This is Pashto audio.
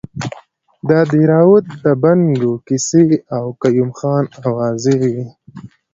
د دیراوت د بنګو کیسې او قیوم خان اوازې وې.